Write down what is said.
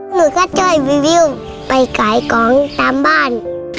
หนูก็ช่วยวิวไปขายของตามบ้าน